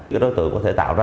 cái đối tượng có thể tạo ra